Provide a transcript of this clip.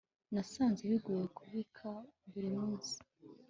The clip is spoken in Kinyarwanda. nasanze bigoye kubika buri munsi